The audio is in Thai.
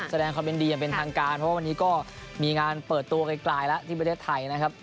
แสดงความยินดีอย่างเป็นทางการเพราะว่าวันนี้ก็มีงานเปิดตัวไกลแล้วที่ประเทศไทยนะครับ